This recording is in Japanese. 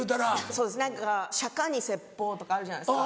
そうです「釈迦に説法」とかあるじゃないですか。